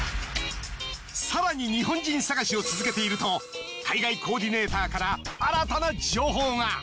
更に日本人探しを続けていると海外コーディネーターから新たな情報が。